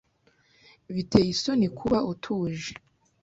Biteye isoni kuba utaje.